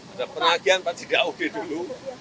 ada penagihan tadi tidak audit dulu